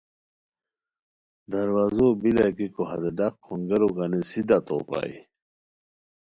دروازو بیلہ گیکو ہتے ڈاق کھونگیرو گانی سیدھا تو پرائے